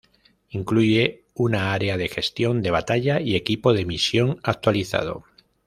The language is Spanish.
Incluye una área de gestión de batalla y equipo de misión actualizado.